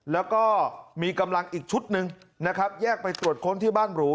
แล้วก็มีกำลังอีกชุดหนึ่งนะครับแยกไปตรวจค้นที่บ้านหรู